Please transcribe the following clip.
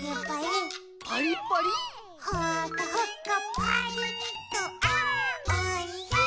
「ほかほかパリッとあーおいしい！」